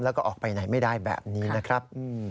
แล้วก็ออกไปไหนไม่ได้แบบนี้นะครับ